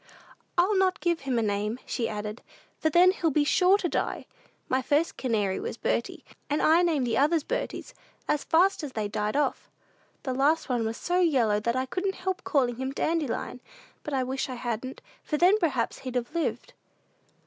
"I'll not give him a name," she added, "for then he'll be sure to die! My first canary was Bertie, and I named the others Berties, as fast as they died off. The last one was so yellow that I couldn't help calling him Dandelion; but I wish I hadn't, for then, perhaps, he'd have lived."